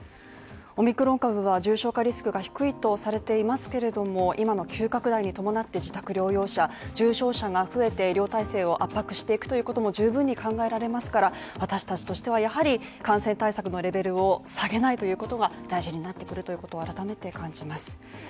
オミクロン株は重症化リスクが低いとされていますけれども、今の急拡大に伴って自宅療養者、重症者が増えて医療体制を圧迫していくということも十分に考えられますから、私達としてはやはり感染対策のレベルを下げないということが大事になってくるということを改めて感じます